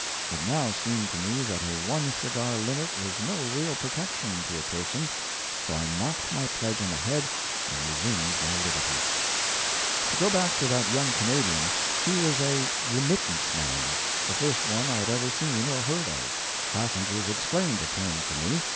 It now seemed to me that a one cigar limit was no real protection to a person, so I knocked my pledge on the head and resumed my liberty. To go back to that young Canadian. He was a "remittance man," the first one I had ever seen or heard of. Passengers explained the term to me.